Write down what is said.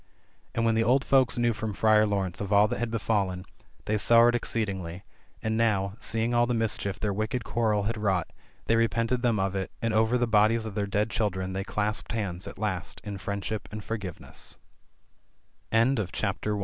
And when the old folks knew from Friar Laurence of all that had befallen, they sorrowed exceedingly, and now, seeing all the mischief their wicked quarrel had wrought, they repented them of it, and over the bodies of their dead children they clasped hand?,